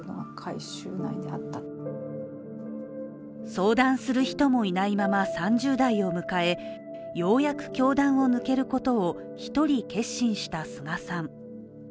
相談する人もいないまま３０代を迎えようやく教団を抜けることを一人決心した須賀さん。